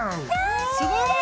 すごい！